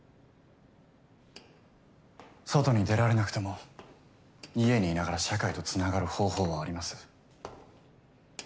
外に出られなくても家にいながら社会とつながる方法はあります。